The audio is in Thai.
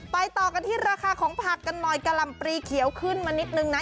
ต่อกันที่ราคาของผักกันหน่อยกะหล่ำปรีเขียวขึ้นมานิดนึงนะ